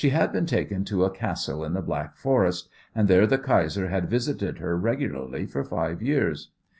She had been taken to a castle in the Black Forest, and there the Kaiser had visited her regularly for five years.